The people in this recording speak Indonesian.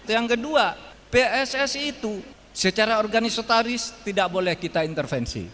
yang kedua pssi itu secara organisataris tidak boleh kita intervensi